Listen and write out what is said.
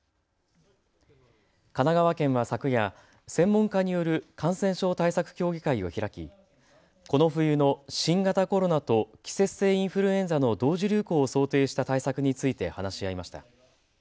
神奈川県は昨夜、専門家による感染症対策協議会を開きこの冬の新型コロナと季節性インフルエンザの同時流行を想定した対策について話し合いました。